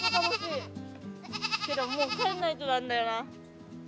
けどもう帰んないとなんだよな。